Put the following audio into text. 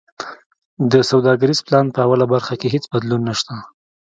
د سوداګریز پلان په اوله برخه کی هیڅ بدلون نشته.